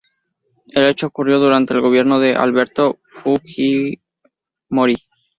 El hecho ocurrió durante el gobierno de Alberto Fujimori.